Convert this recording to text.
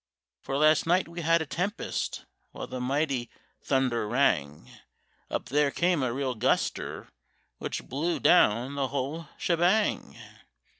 "For last night we had a tempest,—while the mighty thunder rang, _Up there came a real guster, which blew down the whole shebang.